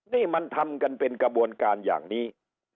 นี่มันทำกันเป็นกระบวนการอย่างนี้